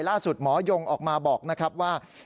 ล่าสุดหมอยงออกมาบอกนะครับว่า